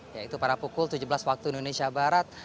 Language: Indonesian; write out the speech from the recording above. yaitu pada pukul tujuh belas waktu indonesia barat